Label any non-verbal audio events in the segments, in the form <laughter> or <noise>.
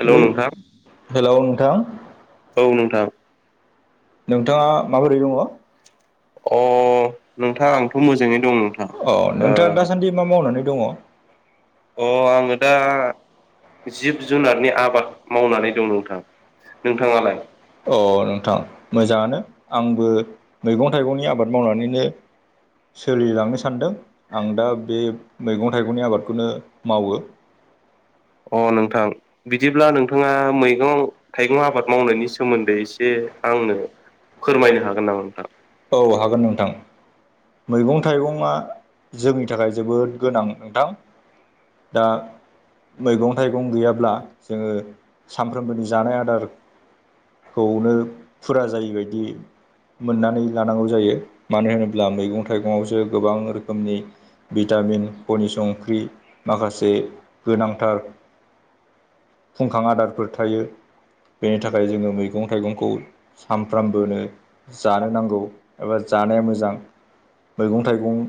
Hello ओइ नोंथां hello नोंथां औ नोंथां नोंथाङा माबोरै दङ? अ नोंथां आंथ' मोजाङै दं नोंथां। अ ओ नोंथाङा दासान्दि मा मावनानै दङ? अ आङो दा जिब-जुनारनि आबाद मावनानै दं नोंथां। नोंथाङालाय? अ नोंथां मोजाङानो आंबो मैगं- थाइगंनि आबाद मावनानैनो सोलिलांनो सानदों। आं दा बे मैगं-थाइगंनि आबादखौनो मावो। अ नोंथां। बिदिब्ला नोंथाङा मैगं-थाइगं आबाद मावनायनि सोमोन्दै आंनो <unintelligible> फोरमायनो हागोन नामा नोंथां? औ हागोन नोंथां। मैगं-थाइगंआ जोंनि थाखाय जोबोद गोनां नोंथां। दा मैगं-थाइगं गैयाब्ला जोङो सानफ्रोमबोनि जानाय आदार खौनो फुरा जायिबायदि मोननानै लानांगौ जायो। मानो होनोब्ला मैगं-थाइगंआव सो गोबां रोखोमनि भिटामिन खनि संख्रि माखासे गोनांथार फुंखां आदारफोर थायो। बेनि थाखाय जोङो मैगं-थाइगंखौ सानफ्रामबोनो जानो नांगौ। एबा जानाया मोजां। मैगं-थाइगं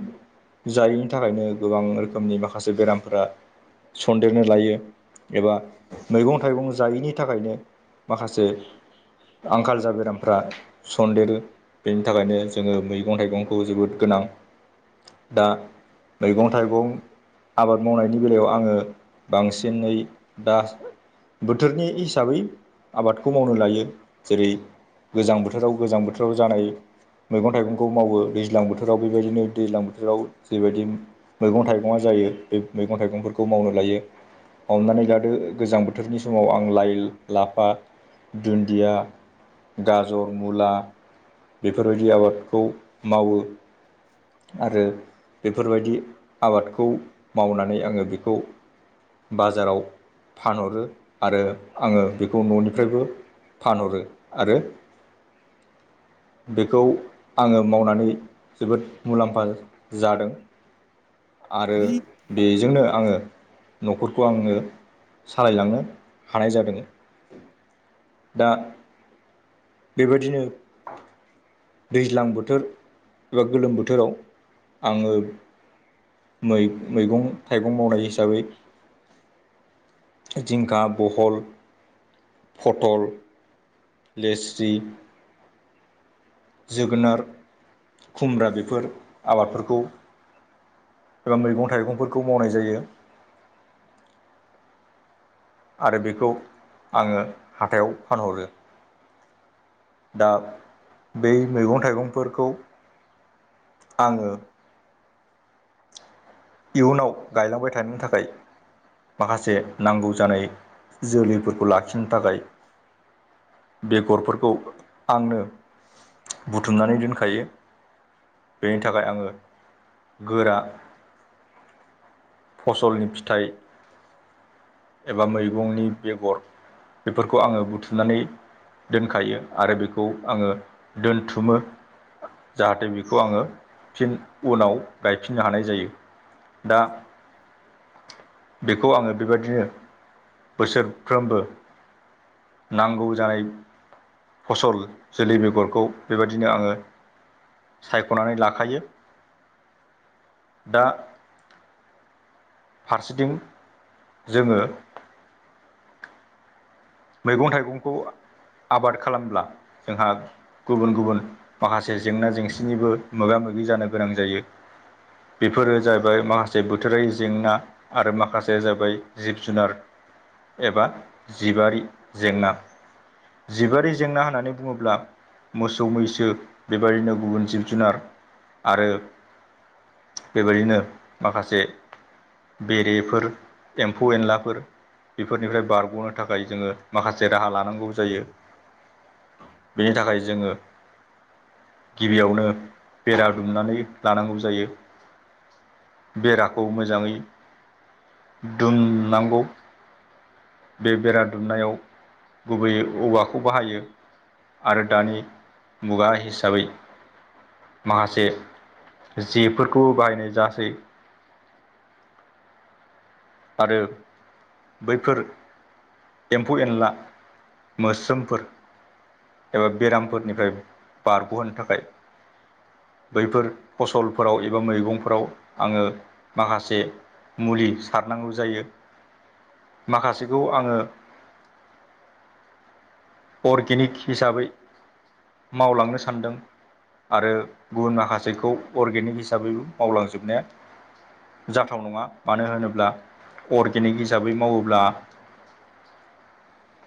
जायैनि थाखायनो गो- गोबां रोखोमनि माखासे बेरामफोरा सन्देरनो लायो। एबा मैगं-थाइगं जायैनि थाखायनो माखासे आंखाल जा बेरामफ्रा सन्देरो। बेनि थाखायनो जोङो मैगं-थाइगंखौ जोबोद गोनां। दा मैगं-थाइगं आबाद मावनायनि बेलायाव आङो बांसिनै दा बोथोरनि हिसाबै आबादखौ मावनो लायो। जेरै गोजां बोथोराव गोजां बोथोराव जानाय मैगं-थाइगंखौ मावो। दैज्लां बोथोराव बेबायदिनो दैज्लां बोथोराव फोराव जेबायदि मैगं थाइगङा जायो बे मैगं थाइगंफोरखौ मावनो लायो। हमनानै लादो गोजां बोथोरनि समाव आं लाइ लाफा दुन्दिया गाजर मुला बेफोरबायदि आबादखौ मावो आरो बेफोरबायदि आबादखौ माव मावनानै आङो बेखौ बाजाराव फानहरो आरो आङो बेखौ न'निफ्रायबो फानहरो आरो बेखौ आङो मावनानै जोबोद मुलाम्फा जादों। आरो बेजोंनो आङो न'खरखौ आंनो सालायलांनो हानाय जादों। दा बेबायदिनो दैज्लां बोथोर एबा गोलोम बोथोराव आङो मै-मैगं-थाइगं मावनाय हिसाबै जिंखा, बहल, फथल, लेस्रि जोगोनार खुमब्रा बेफोर, आबादफोरखौ एबा मैगं थाइगंफोरखौ मावनाय जायो। आरो बेखौ आङो हाथायाव फानहरो, दा बै मैगं थाइगंफोरखौ आङो इयुनाव गायलांबाय थानो थाखाय, माखासे नांगौ जानाय जोलैफोरखौ लाखिनो थाखाय, बेगरफोरखौ आंनो बुथुमनानै दोनखायो बेनि थाखाय आङो गोरा फसलनि फिथाइ एबा मैगंनि बेगर बेफोरखौ आङो बुथुमनानै दोनखायो आरो बेखौ आङो, दोनथुमो जाहाथे बेखौ आङो फिन उनाव गायफिननो हानाय जायो दा बेखौ आङो बेबायदिनो बोसोरफ्रोमबो, नांगौ जानाय फसल जोलै बेगरखौ बेबायदिनो आङो सायख'नानै लाखायो दा फारसेथिं जोङो मैगं थाइगंखौ आबाद खालामब्ला जोंहा गुबुन गुबुन माखासे जेंना जेंसिनिबो मोगा मोगि जानो गोनां जायो। बेफोरो जाहैबाय माखासे बोथोरारि जेंना, आरो माखासेया जाबाय जिब जुनार एबा जिबारि जेंना जिबारि जेंना होननानै बुङोब्ला, मोसौ मैसो बेबायदिनो गुबुन जिब जुनार आरो बेबायदिनो माखासे बेरेफोर एम्फौ एनलाफोर बेफोरनिफ्राय बारग'नो थाखाय जोङो, माखासे राहा लानांगौ जायो। बेनि थाखाय जोङो गिबियावनो बेरा दुमनानै, लानांगौ जायो। बेराखौ मोजाङै दुमनांगौ, बे बेरा दुमनायाव, गुबैयै औवाखौ बाहायो आरो दानि मुगा हिसाबै, माखासे जेफोरखौ बाहायनाय जासै, आरो बैफोर एम्फौ एनला मोस्रोमफोर एबा बेरामफोरनिफ्राय बारग'होनो थाखाय, बैफोर फसलफोराव एबा मैगंफोराव आङो माखासे मुलि सारनांगौ जायो माखासेखौ आङो अर्गेनिक हिसाबै मावलांनो सानदों आरो गुबुन माखासेखौ अर्गेनिक हिसाबैबो मावलांजोबनाया जाथाव नङा मानो होनोब्ला अर्गेनिक हिसाबै मावोब्ला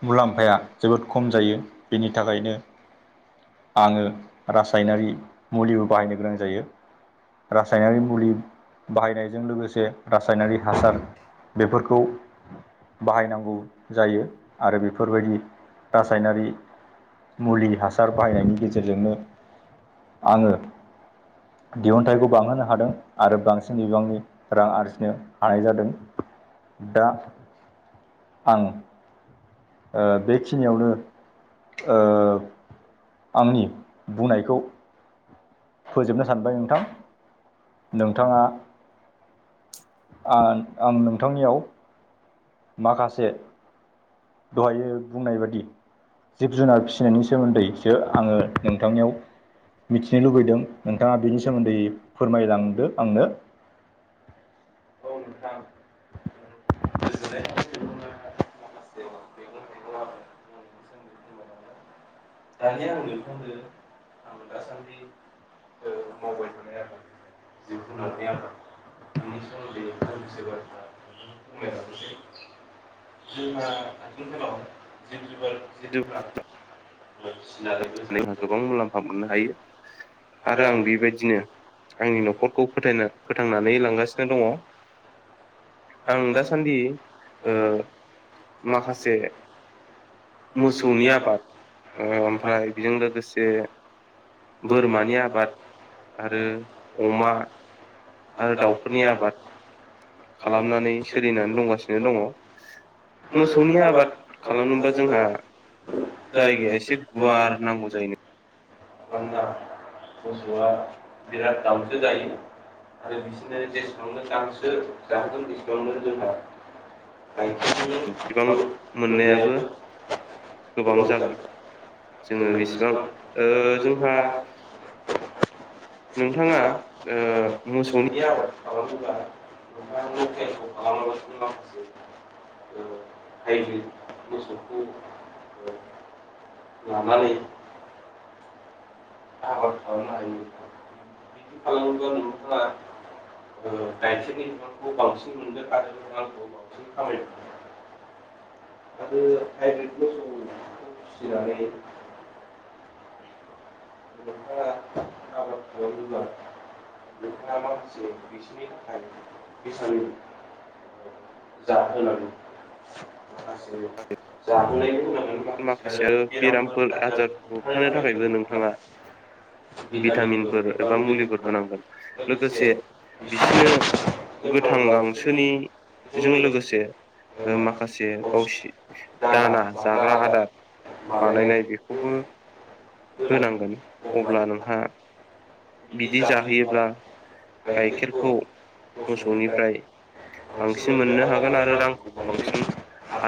मुलाम्फाया जोबोद खम जायो बेनि थाखायनो आङो रासायनारि मुलिबो बाहायनो गोनां जायो रासायनारि मुलि बाहायनायजों लोगोसे रासायनारि हासार बेफोरखौ बाहायनांगौ जायो आरो बेफोरबायदि रासायनारि मुलि हासार बाहायनायनि गेजेरजोंनो, आङो दिहुनथाइखौ बांहोनो हादों आरो बांसिन बिबांनि रां आरजिनो हानाय जादों दा आं ओ बेखिनियावनो ओ आंनि बुंनायखौ फोजोबनो सानबाय नोंथां नोंथाङा, आं आं नोंथांनियाव, माखासे दहायो बुंनाय बादि, जिब जुनार फिसिनायनि सोमोन्दैसो आङो नोंथांनियाव, मिथिनो लुबैदों नोंथाङा बिनि सोमोन्दै फोरमायलांदो आंनो, औ नोंथां <inaudible> दानिया आं नोंखांनो आंबो दासान्दि ओ मावबाय थानाय आरोना जिब जुनारनि आदार‌ <unintelligible> जोंहा हादोरगोलाव जिब जिबोर जिब जिउ जुनार गोबां मुलाम्फा मोननो हायो आरो आं बेबायदिनो आंनि न'खरखौ फोथायना फोथांनानै लांगासिनो दङ आं दासान्दि ओ माखासे मोसौनि आबाद ओम <unintelligible> बोरमानि आबाद आरो अमा आरो दाउनि आबाद खालामनानै बेबायदिनो दंगासिनो दङ मोसौनि आबाद खालामोब्ला जोंहा जायगाया एसे गुवार नांगौ जायो मानोना मोसौआ बिराद गांसो जायो आरो बिसोरनो जेसेबांनो गांसो जाहोगोन एसेबांनो जोंहा गायखेरनि बिबां मोननायाबो गोबां जागोन जोङो जोंनो बेसिबां बेसेबां ओ जोंहा नोंथाङा नोंथाङा ओ मोसौनि आबाद खालामनोबा नोंथांङा लकेलखौ खालामा लासिनो माखासे ओ हाइब्रिद मोसौखौ ओ लानानै आबाद‌ खालामनो हायो नोंथां बिदि खालामोब्ला नोंथाङा ओ गायखेरनि बिबांखौ बांसिन मोनगोन आरो नोंथाङा गोबांसिन खामायगोन आरो हाइब्रिद मोसौखौ फिसिनानै <unintelligible> नोंथाङा माखासे बिसिनि थाखाय बेसेन जा होनांगौ माखासे जाहोनायनि उनाव नोंथां आरो बेरामफोर आाजारफोर होबथानो थाखायबो नोंथाङा भिटामिनफोर एबा मुलिफोर होनांगोन लोगोसे बिसिनो गोथां गांसोनि जों लोगोसे ओ माखासे गावसि दाना जाग जाग्रा आदार बानायनाय बेखौबो होनांगोन अब्ला नोंहा बिदि जाहोयोब्ला गाइखेरखौ <unintelligible> मोसौनिफ्राय बांसिन मोननो हागोन आरो रांखौबो बांसिन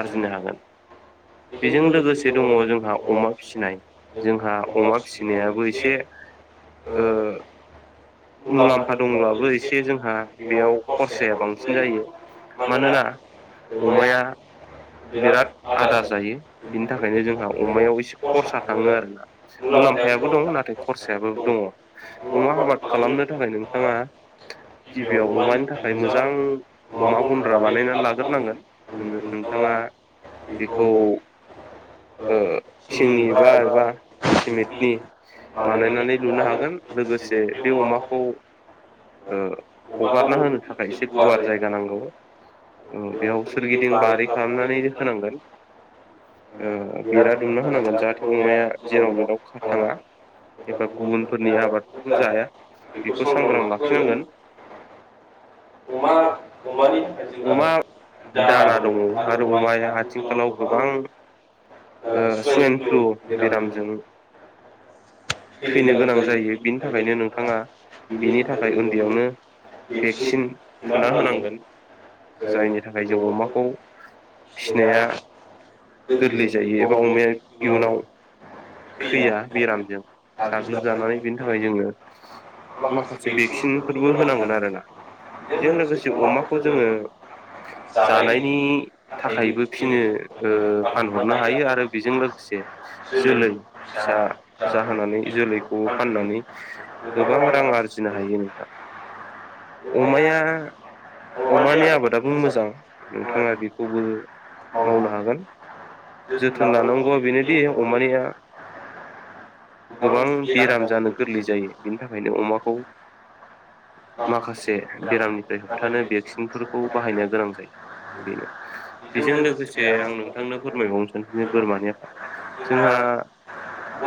आरजिनो हागोन <unintelligible> बेजों लोगोसे दङ जोंहा अमा फिसिनाय जोंहा अमा फिसिनायाबो एसे ओ मुलाम्फा दंब्लाबो एसे जोंहा बेयाव खरसाया बांसिन जायो मानोना अमाया बिराद आदार जायो बिनि थाखायनो जोंहा अमायाव एसे खरसा थाङो आरोना मुलाम्फायाबो दं नाथाय खरसा याबो दङ अमा आबाद खालामनो थाखाय नोंथाङा गिबियाव अमानि थाखाय मोजां अमा गन्द्रा बानायनानै लाग्रोनांगोन नोंथाङा बेखौ ओ थिंनि बा एबा सिमेन्टनि बानायनानै लुनो हागोन लोगोसे बे अमाखौ ओ हगारना होनो थाखाय एसे गुवार जायगा नांगौ ओ बेयाव सोरगिदिं बारि खालामनानै होनांगोन। ओ बेरा दुमना होनांगोन जाहाथे अमाया जेराव मेदाव थाङा एबा गुबुनफोरनि आबादफोरखौ जाया बेखौ सांग्रां लाखिनांगोन उमा उमानि जोंहा अमा <unintelligible> दाना दङ आरो अमा अमाया एबासो आथिंखालाव गोबां ओ स'एन फ्लु बेरामजों थैनो गोनां जायो बिनि थाखाय उन्दैयावनो <unintelligible> बेसुं भेक्सिन गुना थुना होनांगोन। जायनि थाखाय जों अमाखौ फिनाया गोरलै जायो एबा अमाया इयुनाव ‌ थैया बेरामजों साग्लोबजानानै बेनि थाखाय जोङो उनाव माखासे भेक्सिनफोरबो होनांगोन आरोना बेजों लोगोसे अमाखौ जोङो जानायनि थाखायबो फिनो ओ फानहरनो हायो आरो बेजों लोगोसे जोलै फिसा जाहोनानै जोलैखौ फाननानै गोबां रां आरजिनो हायो नोंथां। अमाया अमानि आबादाबो मोजां नोंथाङा बेखौबो मावनो हागोन जोथोन लानांगौआ बेनोदि अमानिया गोबां बेराम जानो गोरलै जायो बेनि थाखायनो अमाखौ माखासे बेरामनिफ्राय होबथानो भेक्सिनफोरखौ बाहायनाया गोनां जायो बेनो बेजों लोगोसे आं नोंथांनो फोरमायबावनो सानफिनो बोरमानि आफाद जोंहा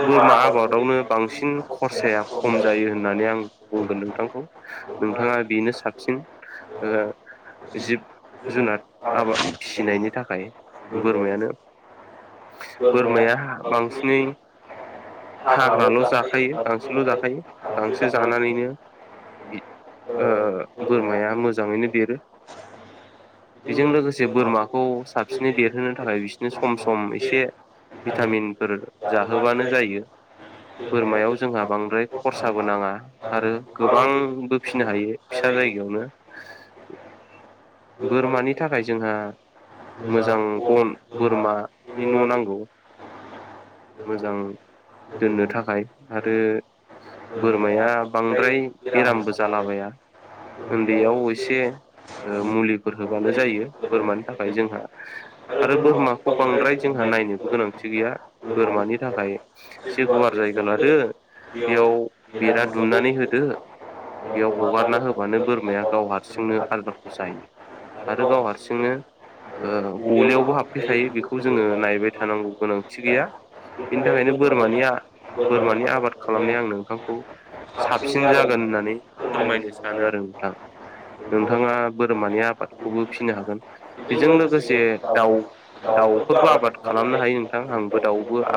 बोरमा आबादावनो बांसिन खरसाया खम जायो होननानै आं बुंगोन नोंथांखौ नोंथाङा बेनो साबसिन ओ जिब जुनाद आबाम फिसिनायनि थाखाय बोरमायानो बोरमाया बांसिनै हाग्राल' जाखायो गांसोल' जाखायो गांसो जानानैनो इ ओ बोरमाया मोजाङैनो देरो बेजों लोगोसे बोरमाखौ साबसिनै दरहोनो थाखाय बिसोरनो सम सम एसे भिटामिनफोर जाहोबानो जायो बोरमायाव जोंहा बांद्राय खरसाबो नाङा आरो गोबांबो फिसिनो हायो फिसा जायगायावनो बोरमानि थाखाय जोंहा मोजां गम बोरमानि न' नांगौ मोजां <unintelligible> दोननो थाखाय आरो बोरमाया बांद्राय बेरामबो जालाबाया उन्दैयाव एसे ओ मुलिफोर होबानो जायो बोरमानि थाखाय जोंहा आरो बोरमाखौ बांद्राय जोंहा नायनोबो गोनांथि गैया बोरमानि थाखाय एसे गुवार जायगा लादो बेयाव बेरा दुमनानै होद दो बेयाव हगारना होबानो बोरमाया गाव हारसिंनो आलगाब जायो आरो गाव हारसिङनो ओ गलियावबो हाबफैखायो बेखौ जोङो नायबाय थानांगौ गोनांथि गैया बिनि थाखायनो बोरमानिया बोरमानि आबाद खालामनाया आं नोंथांखौ साबसिन जागोन होननानै फोरमायनो सानो आरो नोंथां। <unintelligible> नोंथाङा बोरमानि आबादखौबो फिसिनो हागोन बेजों लोगोसे दाउ दाउफोरबो आबाद खालामनो हायो नोंथां आंबो दाउबो आ